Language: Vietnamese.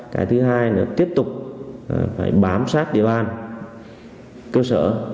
cái thứ hai nữa tiếp tục phải bám sát địa bàn cơ sở